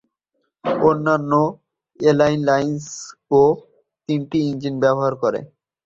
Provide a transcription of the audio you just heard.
অন্যান্য এয়ারলাইন্সও তিনটি ইঞ্জিন ব্যবহার করে।